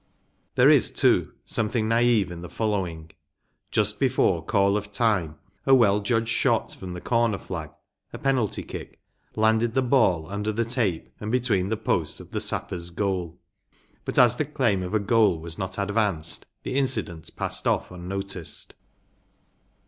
‚ÄĚ There is, too, something naive in the following: “Just before call of time a well judged shot from the corner flag‚ÄĒa penalty kick‚ÄĒlanded the ball under the tape and between the posts of the Sappers' goal; but as the claim of a goal was not advanced the incident passed off unnoticed.